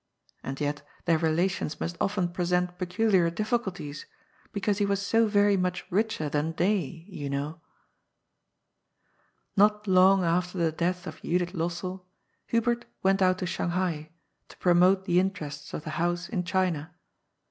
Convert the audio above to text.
And yet their relations must often present peculiar difficulties, because he was so very much richer than they, you know. Not long after the death of Judith Lossell Hubert went out to Shanghai to promote the interests of the house in China.